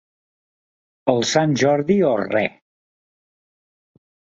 El Sant Jordi o re.